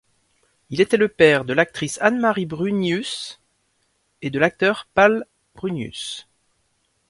Il était le père de l'actrice Anne-Marie Brunius et de l'acteur Palle Brunius.